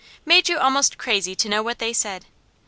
Made you almost crazy to know what they said.